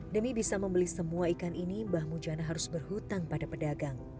demi bisa membeli semua ikan ini mbah mujana harus berhutang pada pedagang